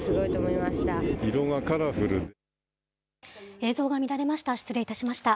映像が乱れました。